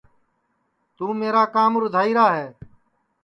توں میرا کام رُدھائرا ہے